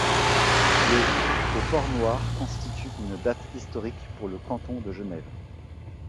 Le au Port-Noir constitue une date historique pour le canton de Genève.